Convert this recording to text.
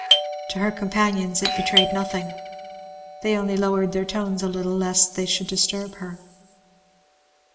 To her companions it betrayed nothing. They only lowered their tones a little lest they should disturb her.